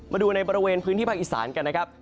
มาดูในบริเวณพื้นที่ภาคอีสานกันนะครับ